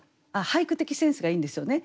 俳句的センスがいいんですよね。